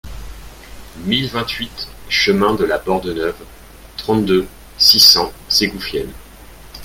mille vingt-huit chemin de la Bordeneuve, trente-deux, six cents, Ségoufielle